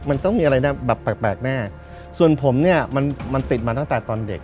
มันต้องมีอะไรนะแบบแปลกแปลกแน่ส่วนผมเนี่ยมันมันติดมาตั้งแต่ตอนเด็ก